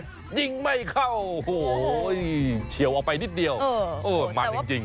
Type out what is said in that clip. ยิงไม่เข้าโอ้โหเฉียวออกไปนิดเดียวเออมันจริง